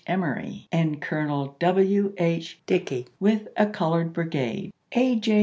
Emory, and Colonel W. H Dickey with a colored brigade. A. J.